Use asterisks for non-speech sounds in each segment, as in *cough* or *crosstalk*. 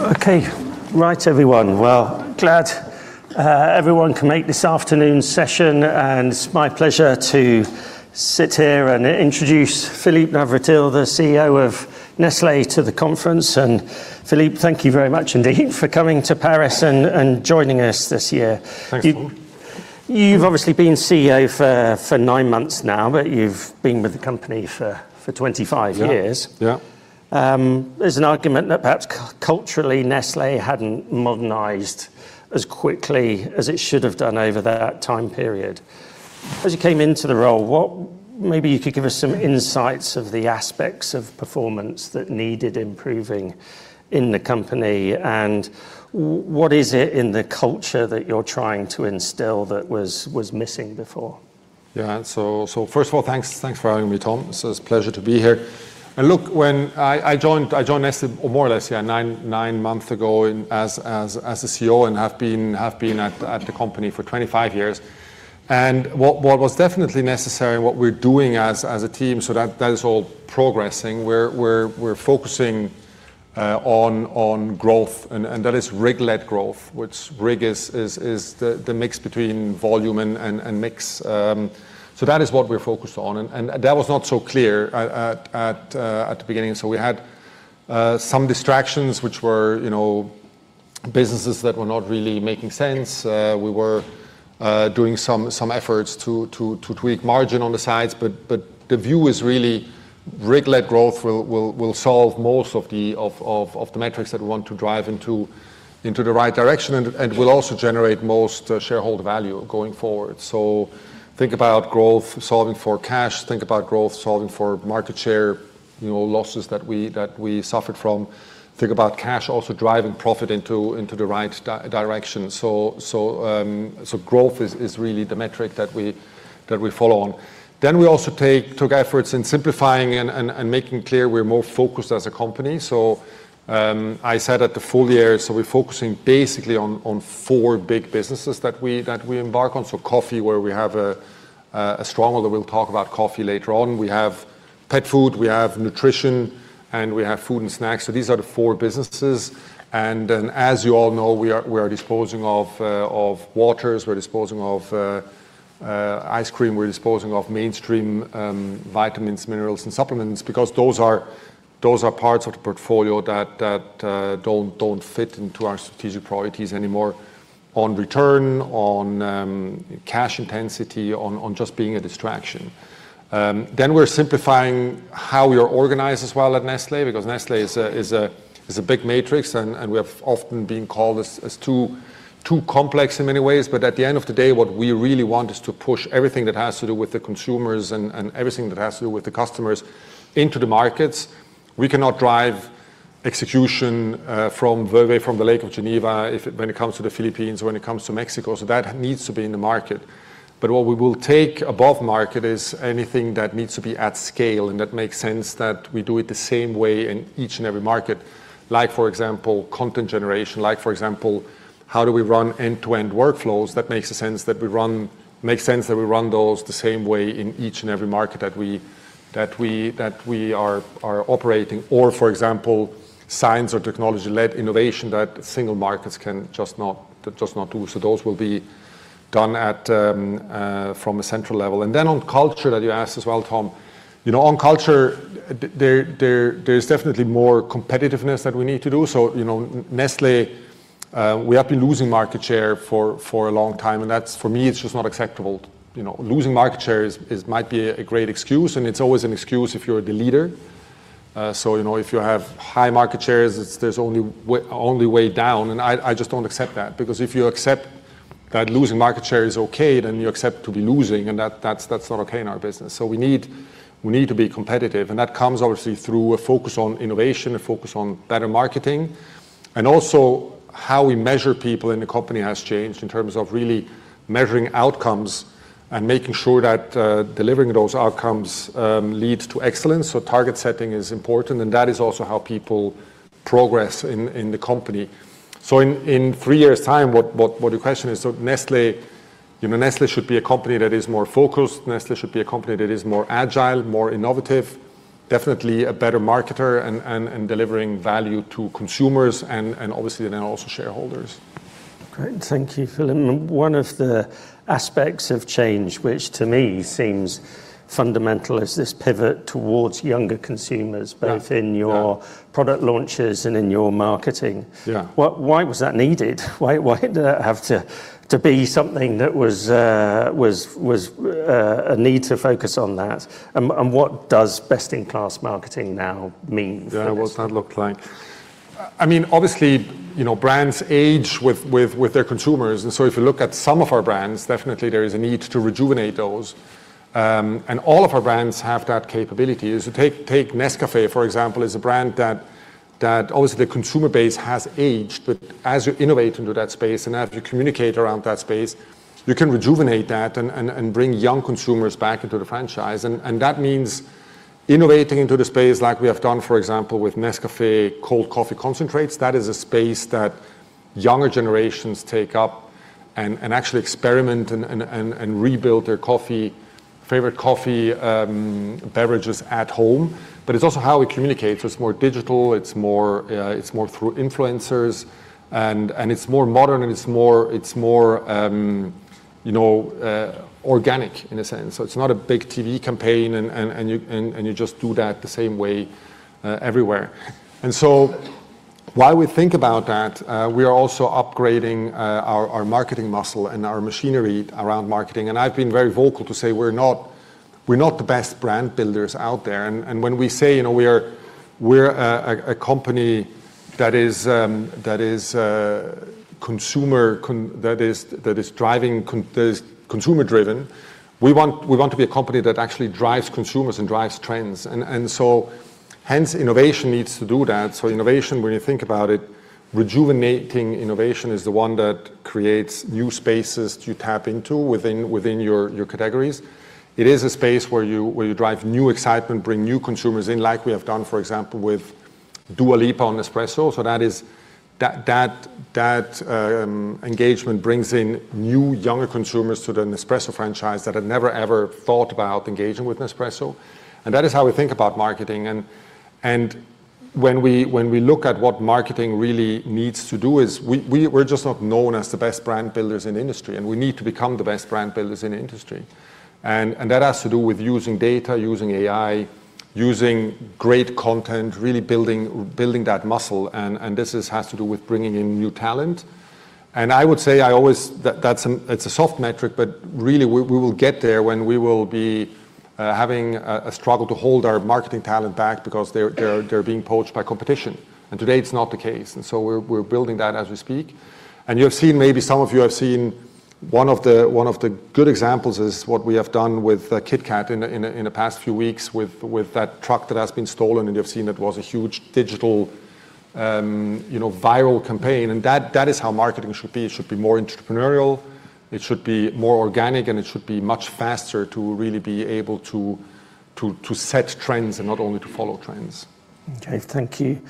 Okay. Right, everyone. Well, glad everyone can make this afternoon's session. It's my pleasure to sit here and introduce Philipp Navratil, the CEO of Nestlé, to the conference. Philipp, thank you very much indeed for coming to Paris and joining us this year. Thanks, Tom. You've obviously been CEO for nine months now, but you've been with the company for 25 years. Yeah. There's an argument that perhaps culturally, Nestlé hadn't modernized as quickly as it should have done over that time period. As you came into the role, maybe you could give us some insights of the aspects of performance that needed improving in the company, and what is it in the culture that you're trying to instill that was missing before? Yeah. First of all, thanks for having me, Tom. It's a pleasure to be here. Look, when I joined Nestlé more or less, yeah, nine months ago as the CEO, and have been at the company for 25 years, and what was definitely necessary and what we're doing as a team, so that is all progressing. We're focusing on growth and that is RIG-led growth, which RIG is the mix between volume and mix. That is what we're focused on and that was not so clear at the beginning. We had some distractions, which were businesses that were not really making sense. We were doing some efforts to tweak margin on the sides, but the view is really RIG-led growth will solve most of the metrics that we want to drive into the right direction, and will also generate most shareholder value going forward. Think about growth, solving for cash, think about growth, solving for market share, losses that we suffered from, think about cash also driving profit into the right direction. Growth is really the metric that we follow on. We also took efforts in simplifying and making clear we're more focused as a company. I said at the full year, we're focusing basically on four big businesses that we embark on. Coffee, where we have a strong order, we'll talk about coffee later on. We have pet food, we have nutrition, and we have food and snacks. These are the four businesses. As you all know, we are disposing of waters, we're disposing of ice cream, we're disposing of mainstream vitamins, minerals, and supplements because those are parts of the portfolio that don't fit into our strategic priorities anymore on return, on cash intensity, on just being a distraction. we're simplifying how we are organized as well at Nestlé, because Nestlé is a big matrix, and we have often been called as too complex in many ways. at the end of the day, what we really want is to push everything that has to do with the consumers and everything that has to do with the customers into the markets. We cannot drive execution from Vevey, from the Lake of Geneva when it comes to the Philippines, when it comes to Mexico. that needs to be in the market. What we will take above market is anything that needs to be at scale, and that makes sense that we do it the same way in each and every market. Like, for example, content generation. Like, for example, how do we run end-to-end workflows that makes sense that we run those the same way in each and every market that we are operating. For example, science or technology-led innovation that single markets can just not do. Those will be done from a central level. Then on culture that you asked as well, Tom. On culture, there is definitely more competitiveness that we need to do. Nestlé, we have been losing market share for a long time, and that for me, it's just not acceptable. Losing market share might be a great excuse, and it's always an excuse if you're the leader. If you have high market shares, there's only one way down. I just don't accept that. If you accept that losing market share is okay, then you accept to be losing. That's not okay in our business. We need to be competitive. That comes obviously through a focus on innovation, a focus on better marketing. Also how we measure people in the company has changed in terms of really measuring outcomes and making sure that delivering those outcomes leads to excellence. Target setting is important. That is also how people progress in the company. In three years' time, what your question is, Nestlé should be a company that is more focused. Nestlé should be a company that is more agile, more innovative, definitely a better marketer, and delivering value to consumers and obviously then also shareholders. Great. Thank you, Philipp. One of the aspects of change, which to me seems fundamental, is this pivot towards younger consumers— Yeah. Both in your product launches and in your marketing. Yeah. Why was that needed? Why did that have to be something that was a need to focus on that? What does best-in-class marketing now mean for us? Yeah, what's that look like? Obviously, brands age with their consumers. If you look at some of our brands, definitely there is a need to rejuvenate those. All of our brands have that capability. Take Nescafé, for example, is a brand that obviously the consumer base has aged, but as you innovate into that space and as you communicate around that space, you can rejuvenate that and bring young consumers back into the franchise. That means innovating into the space like we have done, for example, with Nescafé cold coffee concentrates. That is a space that younger generations take up and actually experiment and rebuild their coffee favorite coffee beverages at home, but it's also how we communicate. It's more digital, it's more through influencers, and it's more modern and it's more organic in a sense. It's not a big TV campaign and you just do that the same way everywhere. While we think about that, we are also upgrading our marketing muscle and our machinery around marketing. I've been very vocal to say we're not the best brand builders out there. When we say we're a company that is consumer-driven, we want to be a company that actually drives consumers and drives trends. Hence innovation needs to do that. Innovation, when you think about it, rejuvenating innovation is the one that creates new spaces to tap into within your categories. It is a space where you drive new excitement, bring new consumers in, like we have done, for example, with Dua Lipa on Nespresso. That engagement brings in new, younger consumers to the Nespresso franchise that had never, ever thought about engaging with Nespresso. That is how we think about marketing. When we look at what marketing really needs to do is we're just not known as the best brand builders in the industry, and we need to become the best brand builders in the industry. That has to do with using data, using AI, using great content, really building that muscle. This has to do with bringing in new talent. I would say it's a soft metric, but really we will get there when we will be having a struggle to hold our marketing talent back because they're being poached by competition. Today it's not the case. We're building that as we speak. Maybe some of you have seen one of the good examples is what we have done with KitKat in the past few weeks with that truck that has been stolen, and you have seen it was a huge digital viral campaign. That is how marketing should be. It should be more entrepreneurial, it should be more organic, and it should be much faster to really be able to set trends and not only to follow trends. Okay, thank you.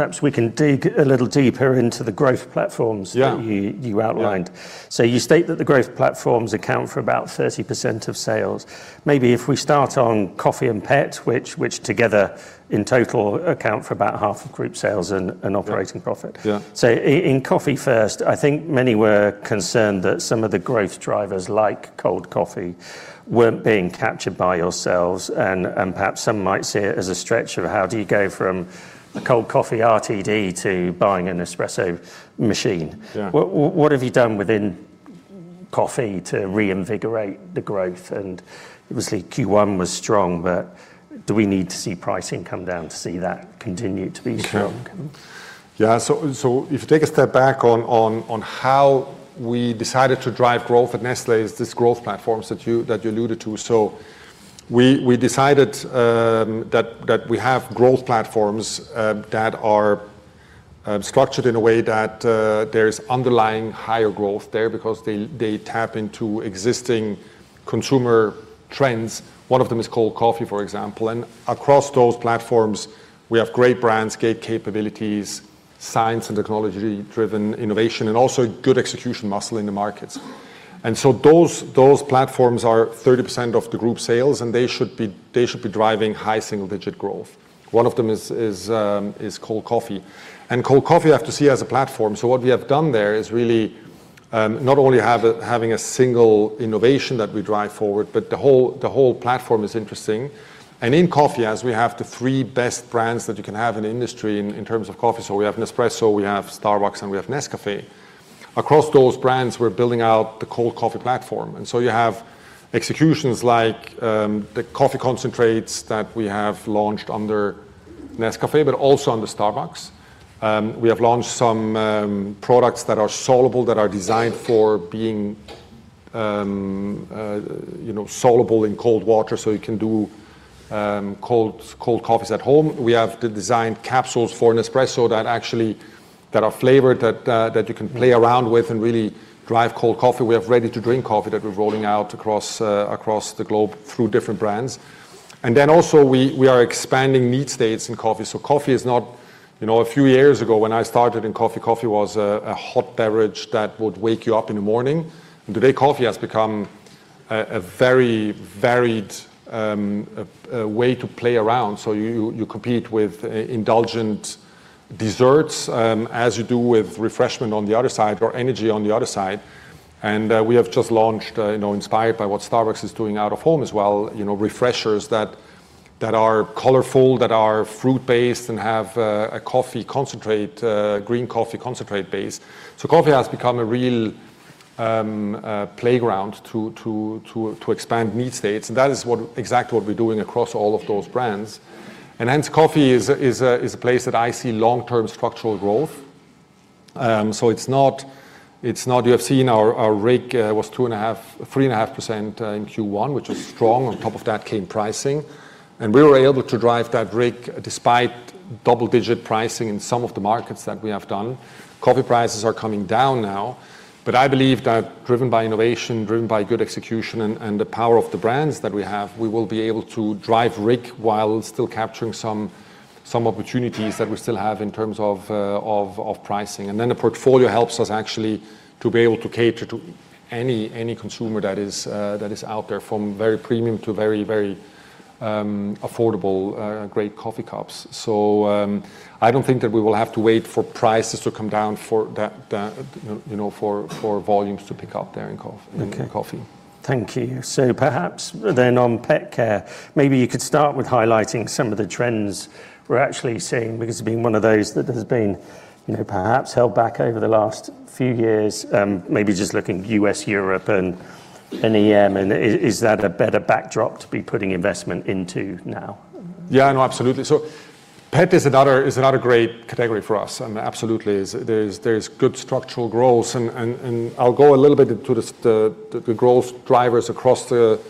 Perhaps we can dig a little deeper into the growth platforms— Yeah. That you outlined. You state that the growth platforms account for about 30% of sales. Maybe if we start on coffee and pet, which together in total account for about half of group sales and operating profit. Yeah. In coffee first, I think many were concerned that some of the growth drivers, like cold coffee, weren't being captured by yourselves, and perhaps some might see it as a stretch of how do you go from a cold coffee RTD to buying a Nespresso machine? Yeah. What have you done within coffee to reinvigorate the growth? Obviously Q1 was strong, but do we need to see pricing come down to see that continue to be strong? If you take a step back on how we decided to drive growth at Nestlé is this growth platforms that you alluded to. We decided that we have growth platforms that are structured in a way that there's underlying higher growth there because they tap into existing consumer trends. One of them is cold coffee, for example. Across those platforms, we have great brands, great capabilities, science and technology-driven innovation, and also good execution muscle in the markets. Those platforms are 30% of the group sales, and they should be driving high single-digit growth. One of them is cold coffee. Cold coffee you have to see as a platform. What we have done there is really not only having a single innovation that we drive forward, but the whole platform is interesting. In coffee, as we have the three best brands that you can have in the industry in terms of coffee. We have Nespresso, we have Starbucks, and we have Nescafé. Across those brands, we're building out the cold coffee platform. You have executions like the coffee concentrates that we have launched under Nescafé, but also under Starbucks. We have launched some products that are soluble, that are designed for being soluble in cold water, so you can do cold coffees at home. We have the designed capsules for Nespresso that are flavored, that you can play around with and really drive cold coffee. We have ready-to-drink coffee that we're rolling out across the globe through different brands. We are expanding need states in coffee. A few years ago when I started in coffee, coffee was a hot beverage that would wake you up in the morning. Today coffee has become a very varied way to play around. You compete with indulgent desserts, as you do with refreshment on the other side or energy on the other side. We have just launched, inspired by what Starbucks is doing out of home as well, refreshers that are colorful, that are fruit based and have a green coffee concentrate base. Coffee has become a real playground to expand need states and that is exactly what we're doing across all of those brands. Hence coffee is a place that I see long-term structural growth. You have seen our RIG was 3.5% in Q1, which was strong. On top of that came pricing. We were able to drive that RIG despite double-digit pricing in some of the markets that we have done. Coffee prices are coming down now. I believe that driven by innovation, driven by good execution and the power of the brands that we have, we will be able to drive RIG while still capturing some opportunities that we still have in terms of pricing. The portfolio helps us actually to be able to cater to any consumer that is out there, from very premium to very affordable, great coffee cups. I don't think that we will have to wait for prices to come down for volumes to pick up there in coffee. Okay. Thank you. Perhaps on petcare, maybe you could start with highlighting some of the trends we're actually seeing, because it being one of those that has been perhaps held back over the last few years. Maybe just looking U.S., Europe, and EM, is that a better backdrop to be putting investment into now? Yeah, no, absolutely. Pet is another great category for us. Absolutely, there's good structural growth. I'll go a little bit into the growth drivers across the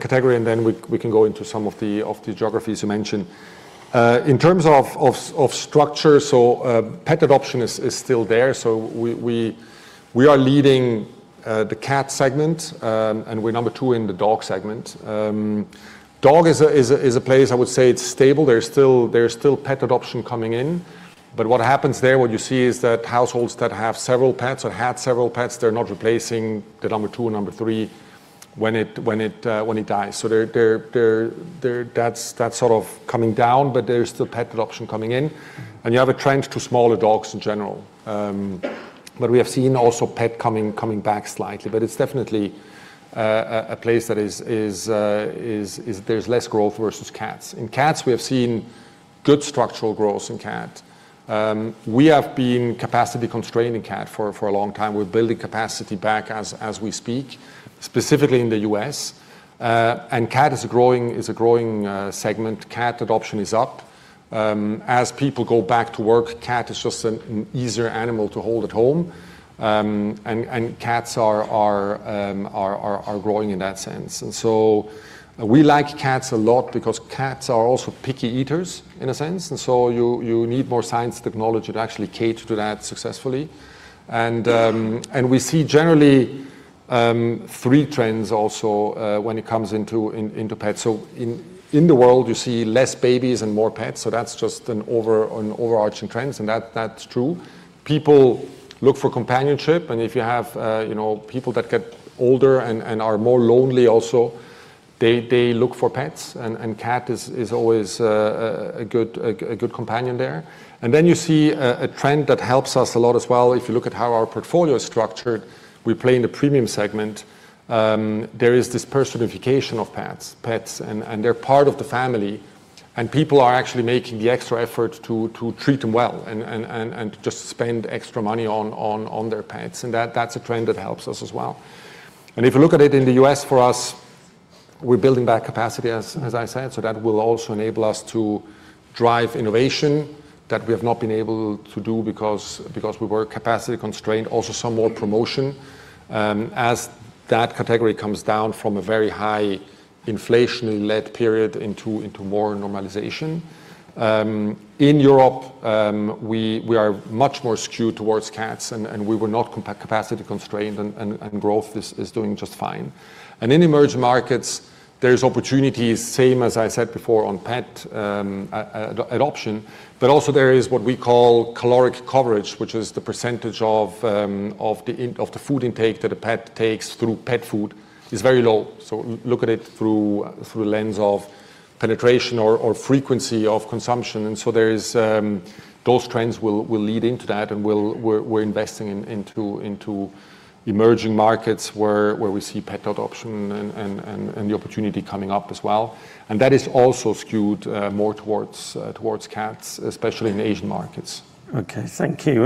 category and then we can go into some of the geographies you mentioned. In terms of structure, pet adoption is still there. We are leading the cat segment, and we're number 2 in the dog segment. Dog is a place, I would say it's stable. There's still pet adoption coming in, but what happens there, what you see is that households that have several pets or had several pets, they're not replacing the number 2, number 3 when it dies. That's sort of coming down, but there's still pet adoption coming in. You have a trend to smaller dogs in general. We have seen also pet coming back slightly, but it's definitely a place that there's less growth versus cats. In cats, we have seen good structural growth in cat. We have been capacity constrained in cat for a long time. We're building capacity back as we speak, specifically in the U.S. Cat is a growing segment. Cat adoption is up. As people go back to work, cat is just an easier animal to hold at home. Cats are growing in that sense. We like cats a lot because cats are also picky eaters in a sense, and so you need more science technology to actually cater to that successfully. We see generally three trends also when it comes into pets. In the world you see less babies and more pets, so that's just an overarching trend, and that's true. People look for companionship and if you have people that get older and are more lonely also, they look for pets and cat is always a good companion there. You see a trend that helps us a lot as well. If you look at how our portfolio is structured, we play in the premium segment. There is this personification of pets, and they're part of the family and people are actually making the extra effort to treat them well and to spend extra money on their pets. That's a trend that helps us as well. If you look at it in the U.S., for us, we're building back capacity, as I said. That will also enable us to drive innovation that we have not been able to do because we were capacity constrained. Also, some more promotion as that category comes down from a very high inflation-led period into more normalization. In Europe, we are much more skewed towards cats and we were not capacity constrained and growth is doing just fine. In emerging markets there's opportunities, same as I said before on pet adoption, but also there is what we call caloric coverage, which is the percentage of the food intake that a pet takes through pet food is very low. Look at it through a lens of penetration or frequency of consumption. Those trends will lead into that and we're investing into emerging markets where we see pet adoption and the opportunity coming up as well. That is also skewed more towards cats, especially in Asian markets. Okay, thank you.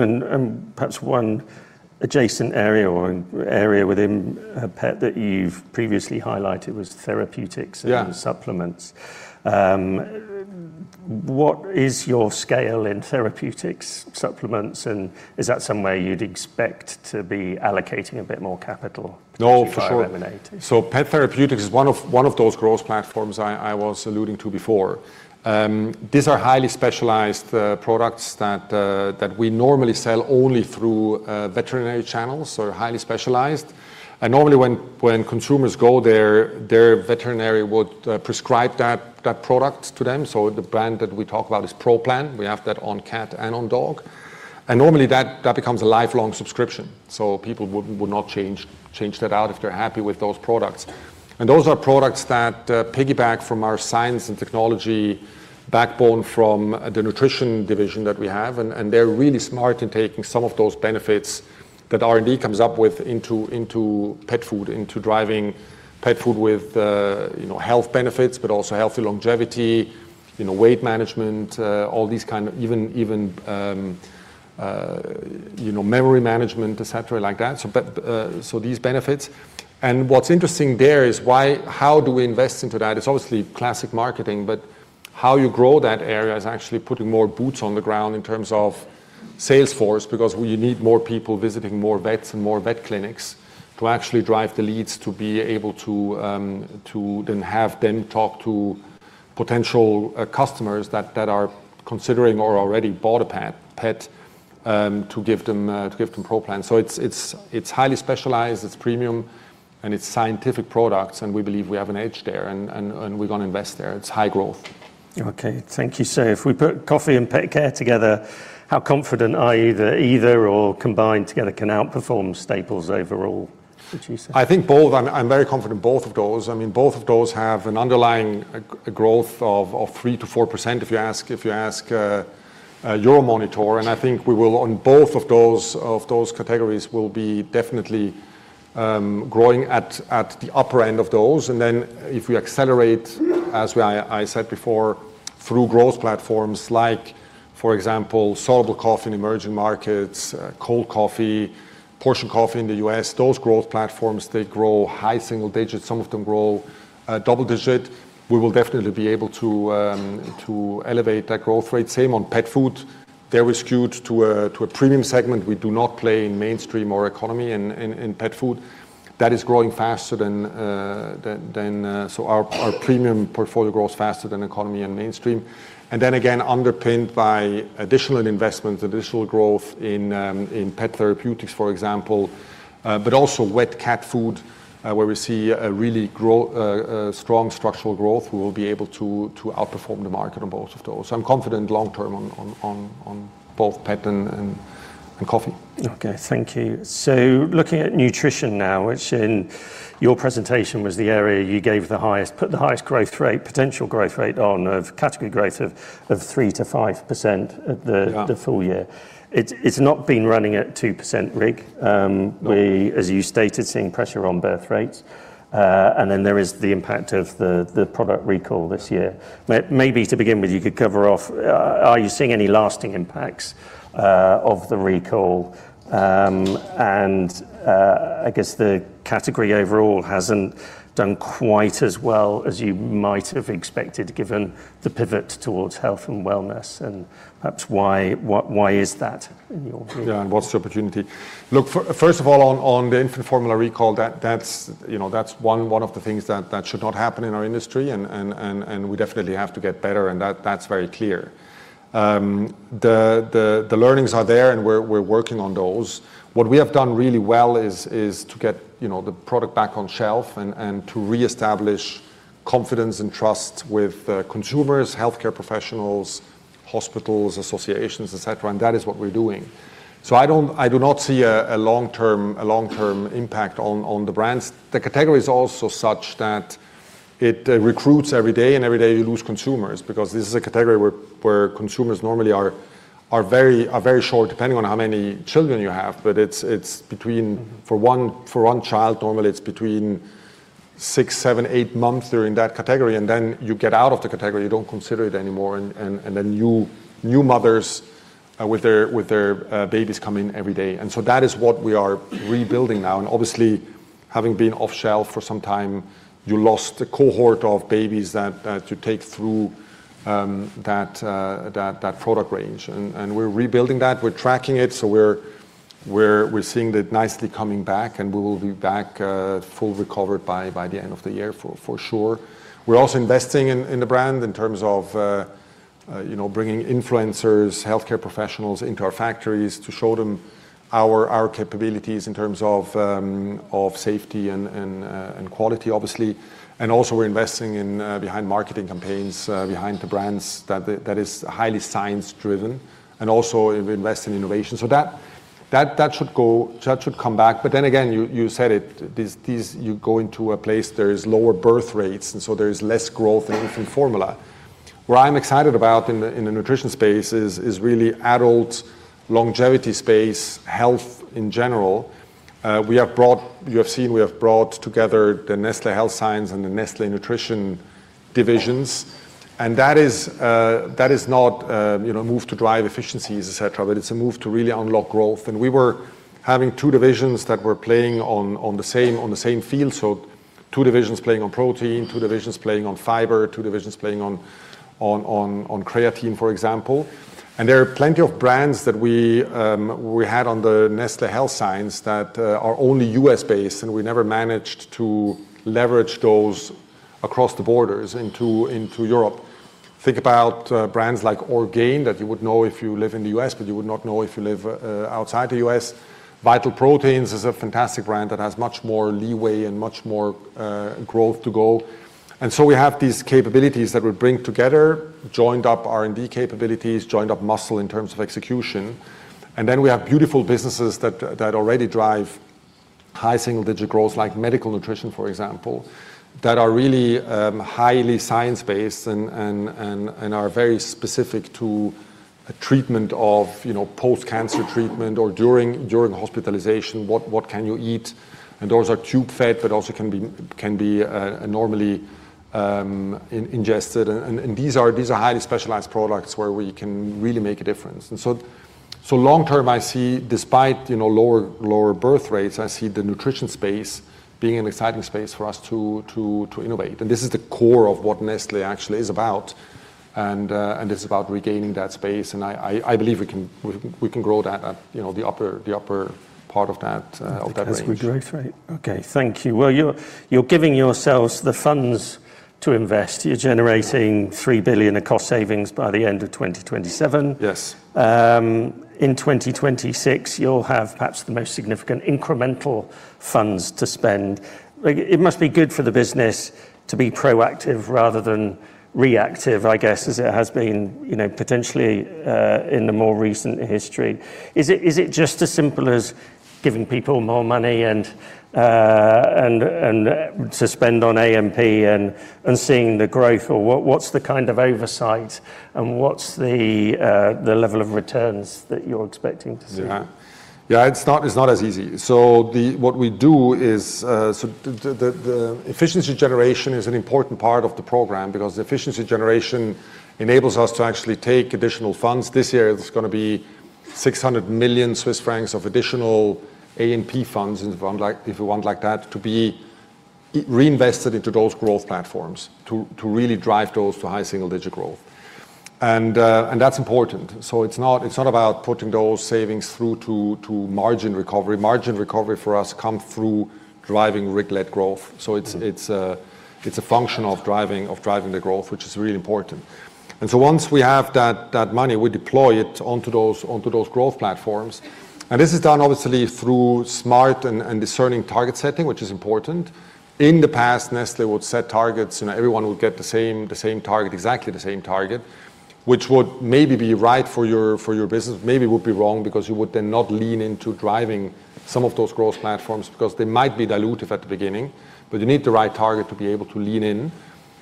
Perhaps one adjacent area or an area within pet that you’ve previously highlighted was therapeutics— Yeah. And supplements. What is your scale in therapeutics supplements and is that somewhere you'd expect to be allocating a bit more capital? No, for sure. Through *crosstalk* Pet therapeutics is one of those growth platforms I was alluding to before. These are highly specialized products that we normally sell only through veterinary channels, so highly specialized. Normally when consumers go there, their veterinary would prescribe that product to them. The brand that we talk about is Pro Plan. We have that on cat and on dog. Normally that becomes a lifelong subscription, so people would not change that out if they're happy with those products. Those are products that piggyback from our science and technology backbone from the nutrition division that we have. They're really smart in taking some of those benefits that R&D comes up with into pet food, into driving pet food with health benefits, but also healthy longevity, weight management, all these kind of, even memory management, et cetera like that. These benefits. What's interesting there is how do we invest into that? It's obviously classic marketing, but how you grow that area is actually putting more boots on the ground in terms of sales force because you need more people visiting more vets and more vet clinics to actually drive the leads to be able to then have them talk to potential customers that are considering or already bought a pet to give them Pro Plan. It's highly specialized, it's premium, and it's scientific products, and we believe we have an edge there, and we're going to invest there. It's high growth. Okay, thank you. If we put coffee and petcare together, how confident are you that either or combined together can outperform staples overall, would you say? I think both. I'm very confident both of those. Both of those have an underlying growth of 3%-4%, if you ask Euromonitor, I think we will on both of those categories will be definitely growing at the upper end of those. If we accelerate, as I said before, through growth platforms like, for example, soluble coffee in emerging markets, cold coffee, portion coffee in the U.S., those growth platforms, they grow high single digits. Some of them grow double digits. We will definitely be able to elevate that growth rate. Same on pet food. They're skewed to a premium segment. We do not play in mainstream or economy in pet food. That is growing faster. Our premium portfolio grows faster than economy and mainstream, again underpinned by additional investments, additional growth in pet therapeutics for example, but also wet cat food, where we see a really strong structural growth. We will be able to outperform the market on both of those. I'm confident long term on both pet and coffee. Okay, thank you. Looking at nutrition now, which in your presentation was the area you put the highest potential growth rate on of category growth of 3%-5% at the full year. It's not been running at 2% RIG. No. We are, as you stated, seeing pressure on birth rates. There is the impact of the product recall this year. Maybe to begin with, you could cover off, are you seeing any lasting impacts of the recall? I guess the category overall hasn't done quite as well as you might have expected, given the pivot towards health and wellness, and perhaps why is that in your view? What's the opportunity? Look, first of all, on the infant formula recall, that's one of the things that should not happen in our industry. We definitely have to get better, that's very clear. The learnings are there. We're working on those. What we have done really well is to get the product back on shelf and to reestablish confidence and trust with consumers, healthcare professionals, hospitals, associations, et cetera. That is what we're doing. I do not see a long-term impact on the brands. The category is also such that it recruits every day. Every day you lose consumers because this is a category where consumers normally are very short, depending on how many children you have. For one child, normally it's between six, seven, eight months they're in that category. You get out of the category. You don't consider it anymore. New mothers with their babies come in every day, that is what we are rebuilding now. Having been off shelf for some time, you lost a cohort of babies that you take through that product range, we're rebuilding that. We're tracking it. We're seeing that nicely coming back, we will be back full recovered by the end of the year, for sure. We're also investing in the brand in terms of bringing influencers, healthcare professionals into our factories to show them our capabilities in terms of safety and quality, obviously, we're investing in behind marketing campaigns, behind the brands that is highly science-driven, we invest in innovation. That should come back, but then again, you said it, you go into a place, there is lower birth rates, and so there is less growth in infant formula. Where I'm excited about in the nutrition space is really adult longevity space, health in general. You have seen we have brought together the Nestlé Health Science and the Nestlé Nutrition divisions, and that is not a move to drive efficiencies, et cetera, but it's a move to really unlock growth. We were having two divisions that were playing on the same field, so two divisions playing on protein, two divisions playing on fiber, two divisions playing on creatine, for example, and there are plenty of brands that we had under Nestlé Health Science that are only U.S.-based, and we never managed to leverage those across the borders into Europe. Think about brands like Orgain, that you would know if you live in the U.S., but you would not know if you live outside the U.S. Vital Proteins is a fantastic brand that has much more leeway and much more growth to go. We have these capabilities that we bring together, joined up R&D capabilities, joined up muscle in terms of execution, and then we have beautiful businesses that already drive high single-digit growth, like medical nutrition, for example, that are really highly science-based and are very specific to post-cancer treatment or during hospitalization, what can you eat? Those are tube-fed but also can be normally ingested, and these are highly specialized products where we can really make a difference. Long term, despite lower birth rates, I see the nutrition space being an exciting space for us to innovate, and this is the core of what Nestlé actually is about. It's about regaining that space, and I believe we can grow that at the upper part of that range. The category growth rate. Okay, thank you. Well, you're giving yourselves the funds to invest. You're generating 3 billion of cost savings by the end of 2027. Yes. In 2026, you'll have perhaps the most significant incremental funds to spend. It must be good for the business to be proactive rather than reactive, I guess, as it has been potentially in the more recent history. Is it just as simple as giving people more money and spend on A&P and seeing the growth? What's the kind of oversight, and what's the level of returns that you're expecting to see? Yeah. It's not as easy. What we do is, the efficiency generation is an important part of the program because efficiency generation enables us to actually take additional funds. This year, it's going to be 600 million Swiss francs of additional A&P funds, if you want like that, to be reinvested into those growth platforms to really drive those to high single-digit growth. That's important. It's not about putting those savings through to margin recovery. Margin recovery for us come through driving RIG-led growth. It's a function of driving the growth, which is really important. Once we have that money, we deploy it onto those growth platforms. This is done obviously through smart and discerning target setting, which is important. In the past, Nestlé would set targets, and everyone would get the same target, exactly the same target, which would maybe be right for your business, maybe would be wrong because you would then not lean into driving some of those growth platforms because they might be dilutive at the beginning. You need the right target to be able to lean in,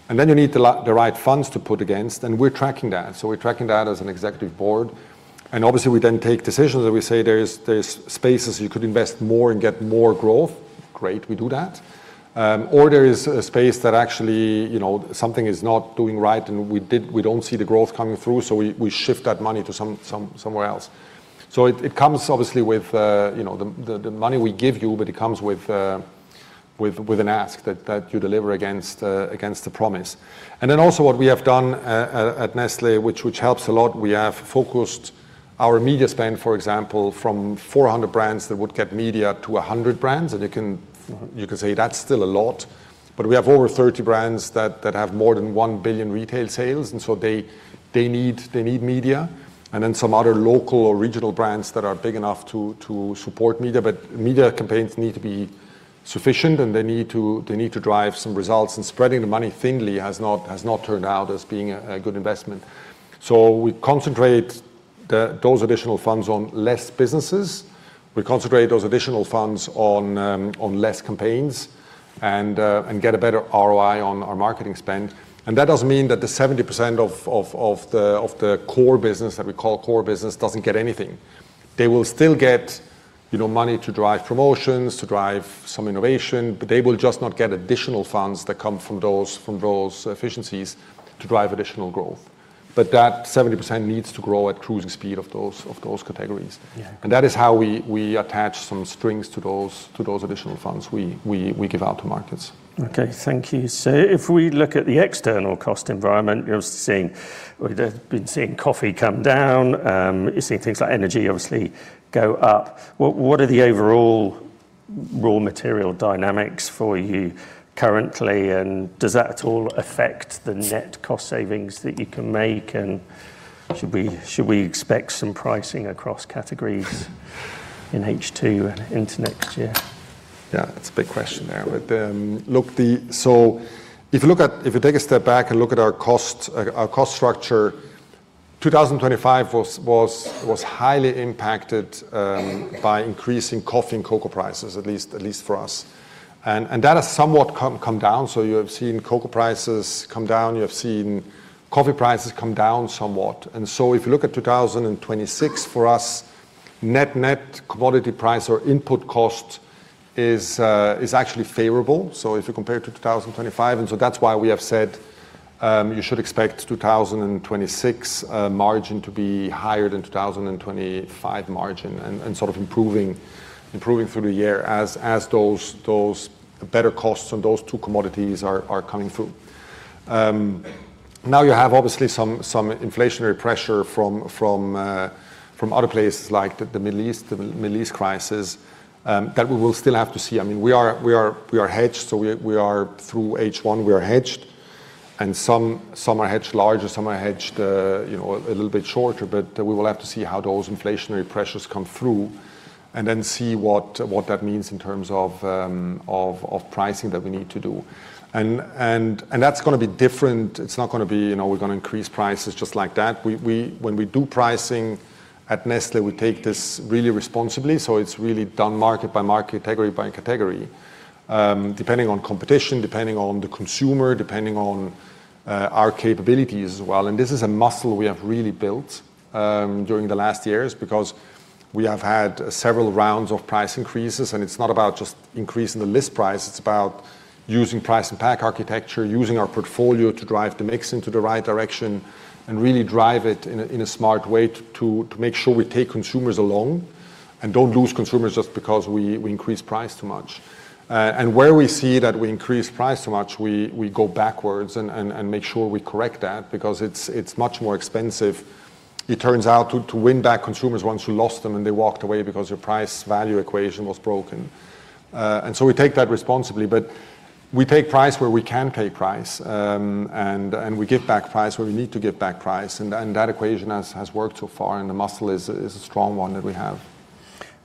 and then you need the right funds to put against, and we're tracking that. We're tracking that as an executive board, and obviously we then take decisions where we say there's spaces you could invest more and get more growth. Great, we do that. There is a space that actually something is not doing right, and we don't see the growth coming through. We shift that money to somewhere else. It comes obviously with the money we give you, but it comes with an ask that you deliver against the promise. Also what we have done at Nestlé, which helps a lot, we have focused our media spend, for example, from 400 brands that would get media to 100 brands. You can say that's still a lot, but we have over 30 brands that have more than 1 billion retail sales. They need media. Some other local or regional brands that are big enough to support media. Media campaigns need to be sufficient, and they need to drive some results, and spreading the money thinly has not turned out as being a good investment. We concentrate those additional funds on less businesses. We concentrate those additional funds on less campaigns, and get a better ROI on our marketing spend. That doesn't mean that the 70% of the core business, that we call core business, doesn't get anything. They will still get money to drive promotions, to drive some innovation, but they will just not get additional funds that come from those efficiencies to drive additional growth. That 70% needs to grow at cruising speed of those categories. Yeah. That is how we attach some strings to those additional funds we give out to markets. Okay, thank you. If we look at the external cost environment, we've been seeing coffee come down, you're seeing things like energy obviously go up. What are the overall raw material dynamics for you currently, and does that at all affect the net cost savings that you can make? Should we expect some pricing across categories in H2 into next year? Yeah, that's a big question there. If you take a step back and look at our cost structure, 2025 was highly impacted by increasing coffee and cocoa prices, at least for us. That has somewhat come down. You have seen cocoa prices come down, you have seen coffee prices come down somewhat. If you look at 2026, for us, net-net, commodity price or input cost is actually favorable. If you compare to 2025, and so that's why we have said you should expect 2026 margin to be higher than 2025 margin, and sort of improving through the year as those better costs on those two commodities are coming through. Now you have obviously some inflationary pressure from other places like the Middle East crisis, that we will still have to see. We are hedged, so through H1 we are hedged, and some are hedged larger, some are hedged a little bit shorter. We will have to see how those inflationary pressures come through, and then see what that means in terms of pricing that we need to do. That's going to be different. It's not going to be we're going to increase prices just like that. When we do pricing at Nestlé, we take this really responsibly, so it's really done market by market, category by category, depending on competition, depending on the consumer, depending on our capability as well. This is a muscle we have really built during the last years because we have had several rounds of price increases, it's not about just increasing the list price, it's about using price pack architecture, using our portfolio to drive the mix into the right direction and really drive it in a smart way to make sure we take consumers along and don't lose consumers just because we increase price too much. Where we see that we increase price too much, we go backwards and make sure we correct that because it's much more expensive. It turns out to win back consumers once you lost them, and they walked away because your price-value equation was broken. We take that responsibly, but we take price where we can take price, and we give back price where we need to give back price. That equation has worked so far, and the muscle is a strong one that we have.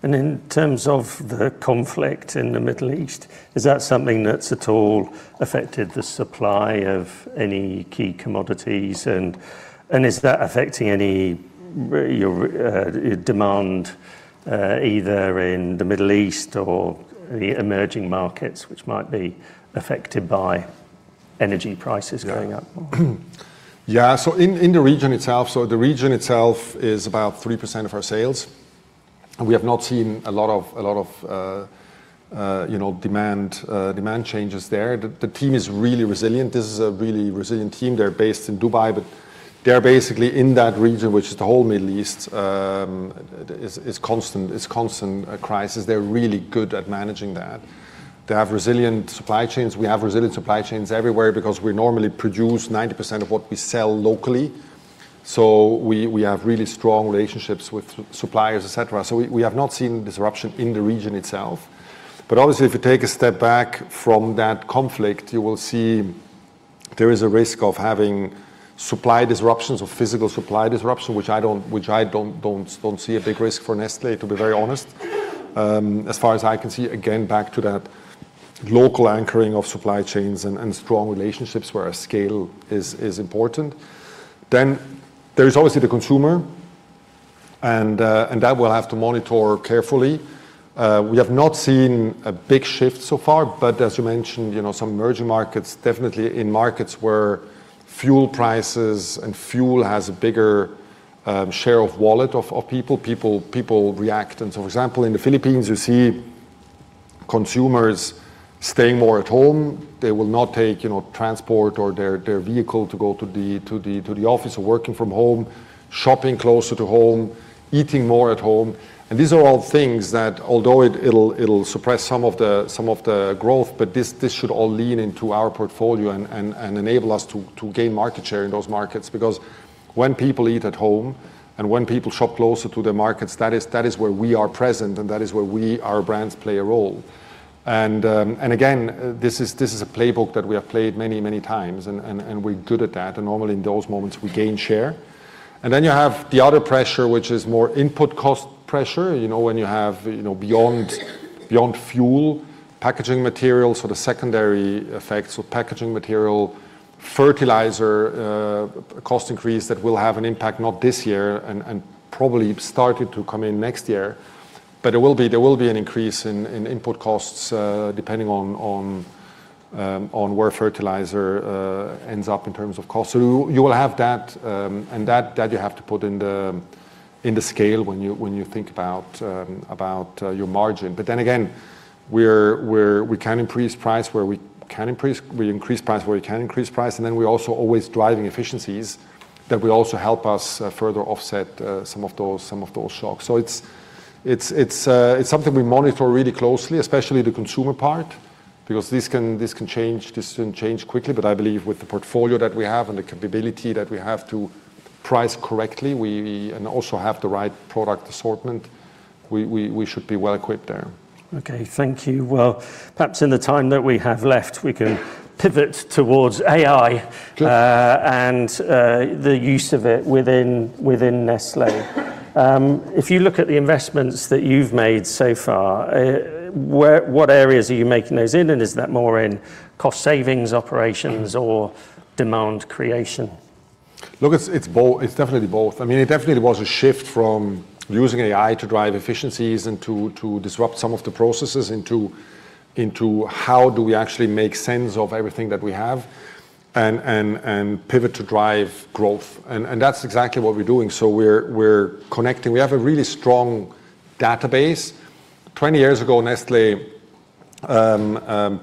In terms of the conflict in the Middle East, is that something that's at all affected the supply of any key commodities? Is that affecting any demand, either in the Middle East or the emerging markets, which might be affected by energy prices going up? Yeah. In the region itself, the region itself is about 3% of our sales. We have not seen a lot of demand changes there. The team is really resilient. This is a really resilient team. They're based in Dubai, they're basically in that region, which is the whole Middle East. It's constant crisis. They're really good at managing that. They have resilient supply chains. We have resilient supply chains everywhere because we normally produce 90% of what we sell locally. We have really strong relationships with suppliers, et cetera. We have not seen disruption in the region itself. Obviously, if you take a step back from that conflict, you will see there is a risk of having supply disruptions or physical supply disruptions, which I don't see a big risk for Nestlé, to be very honest. As far as I can see, again, back to that local anchoring of supply chains and strong relationships where scale is important. There is obviously the consumer, and that we'll have to monitor carefully. We have not seen a big shift so far, but as you mentioned, some emerging markets, definitely in markets where fuel prices and fuel has a bigger share of wallet of people react. For example, in the Philippines, you see consumers staying more at home. They will not take transport or their vehicle to go to the office or working from home, shopping closer to home, eating more at home. These are all things that although it'll suppress some of the growth, but this should all lean into our portfolio and enable us to gain market share in those markets. Because when people eat at home, and when people shop closer to the markets, that is where we are present, and that is where our brands play a role. Again, this is a playbook that we have played many, many times, and we are good at that. Normally in those moments, we gain share. You have the other pressure, which is more input cost pressure. When you have beyond fuel, packaging materials for the secondary effects of packaging material, fertilizer cost increase that will have an impact, not this year and probably started to come in next year. There will be an increase in input costs, depending on where fertilizer ends up in terms of cost. You will have that, and that you have to put in the scale when you think about your margin. Again, where we can increase price, we increase price where we can increase price, and then we're also always driving efficiencies that will also help us further offset some of those shocks. It's something we monitor really closely, especially the consumer part, because this can change quickly. I believe with the portfolio that we have and the capability that we have to price correctly, and also have the right product assortment, we should be well equipped there. Okay, thank you. Well, perhaps in the time that we have left, we can pivot towards AI. Sure. The use of it within Nestlé. If you look at the investments that you've made so far, what areas are you making those in? Is that more in cost savings operations or demand creation? Look, it's definitely both. It definitely was a shift from using AI to drive efficiencies and to disrupt some of the processes into how do we actually make sense of everything that we have and pivot to drive growth. That's exactly what we're doing. We're connecting. We have a really strong database. 20 years ago, Nestlé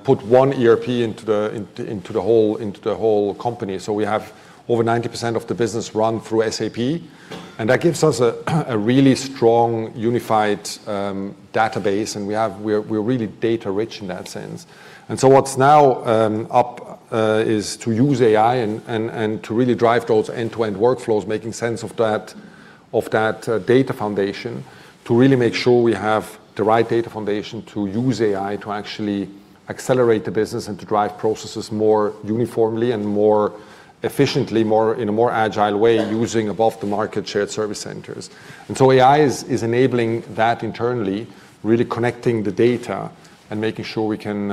put one ERP into the whole company. We have over 90% of the business run through SAP, and that gives us a really strong, unified database, and we're really data rich in that sense. What's now up is to use AI and to really drive those end-to-end workflows, making sense of that data foundation to really make sure we have the right data foundation to use AI to actually accelerate the business and to drive processes more uniformly and more efficiently, in a more agile way, using above-the-market shared service centers. AI is enabling that internally, really connecting the data and making sure we can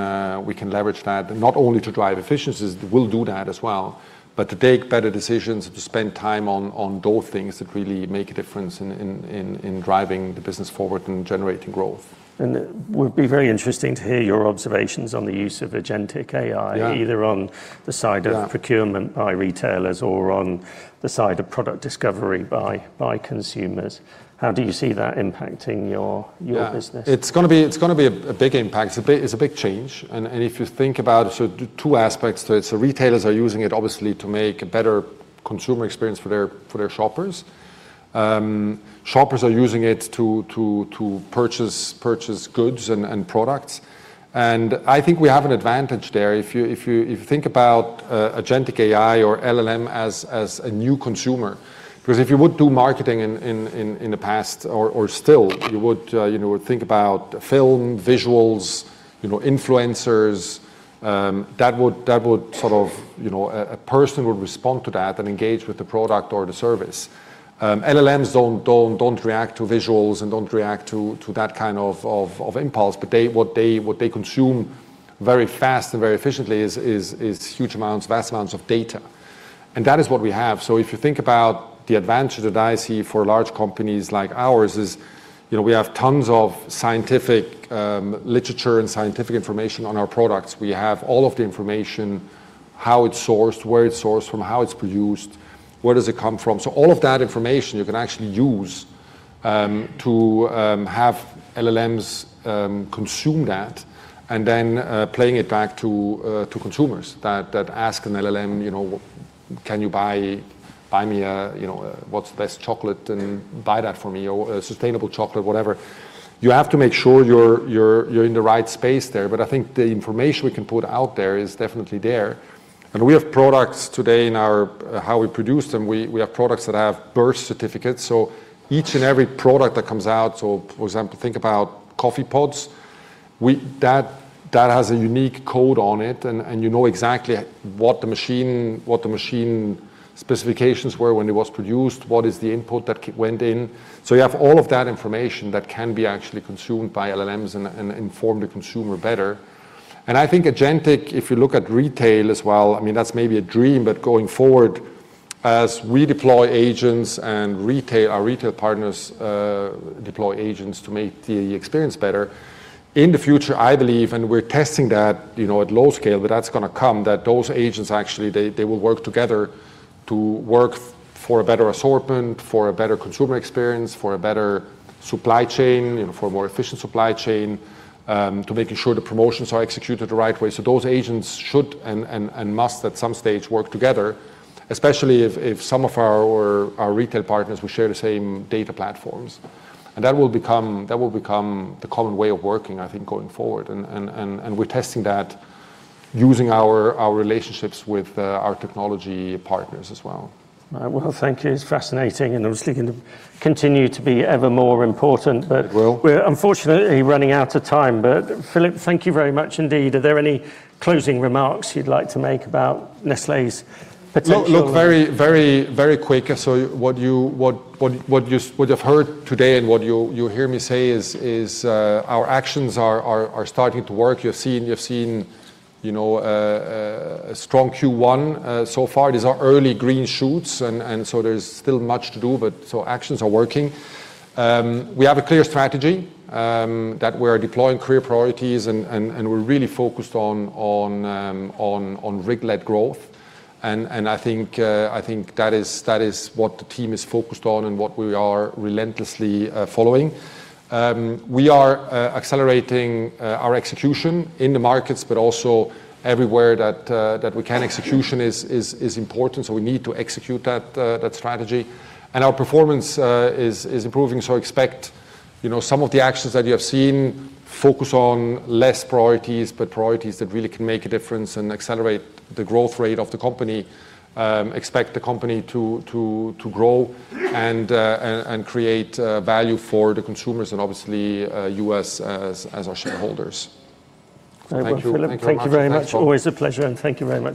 leverage that, not only to drive efficiencies, we'll do that as well, but to take better decisions, to spend time on those things that really make a difference in driving the business forward and generating growth. It would be very interesting to hear your observations on the use of agentic AI. Yeah. Either on the side of— Yeah. Procurement by retailers or on the side of product discovery by consumers. How do you see that impacting your business? Yeah. It's going to be a big impact. It's a big change. If you think about it, so two aspects to it. Retailers are using it obviously to make a better consumer experience for their shoppers. Shoppers are using it to purchase goods and products, and I think we have an advantage there. If you think about agentic AI or LLM as a new consumer, because if you would do marketing in the past or still, you would think about film, visuals, influencers. A person would respond to that and engage with the product or the service. LLMs don't react to visuals and don't react to that kind of impulse, but what they consume very fast and very efficiently is huge amounts, vast amounts of data. That is what we have. If you think about the advantage that I see for large companies like ours is, we have tons of scientific literature and scientific information on our products. We have all of the information, how it's sourced, where it's sourced from, how it's produced, where does it come from. All of that information you can actually use to have LLMs consume that, and then playing it back to consumers that ask an LLM, "What's the best chocolate? And buy that for me," or sustainable chocolate, whatever. You have to make sure you're in the right space there. I think the information we can put out there is definitely there. We have products today in how we produce them. We have products that have birth certificates. Each and every product that comes out, so for example, think about coffee pods, that has a unique code on it, and you know exactly what the machine specifications were when it was produced, what is the input that went in. You have all of that information that can be actually consumed by LLMs and inform the consumer better. I think agentic, if you look at retail as well, that's maybe a dream, but going forward, as we deploy agents and our retail partners deploy agents to make the experience better, in the future, I believe, and we're testing that at low scale, but that's going to come that those agents actually, they will work together to work for a better assortment, for a better consumer experience, for a better supply chain, for a more efficient supply chain, to making sure the promotions are executed the right way. Those agents should and must, at some stage, work together, especially if some of our retail partners will share the same data platforms. That will become the common way of working, I think, going forward. We're testing that using our relationships with our technology partners as well. Well, thank you. It's fascinating, and obviously going to continue to be ever more important. It will. We're unfortunately running out of time. Philipp, thank you very much indeed. Are there any closing remarks you'd like to make about Nestlé's potential? Look, very quick. What you would have heard today and what you'll hear me say is our actions are starting to work. You've seen a strong Q1 so far. These are early green shoots, and so there's still much to do, but actions are working. We have a clear strategy, that we're deploying clear priorities and we're really focused on RIG-led growth. I think that is what the team is focused on and what we are relentlessly following. We are accelerating our execution in the markets, but also everywhere that we can. Execution is important, so we need to execute that strategy. Our performance is improving, so expect some of the actions that you have seen, focus on less priorities, but priorities that really can make a difference and accelerate the growth rate of the company. Expect the company to grow and create value for the consumers and obviously you as our shareholders. Very well, Philipp. Thank you very much. Thanks, Tom. Thank you very much. Always a pleasure, and thank you very much.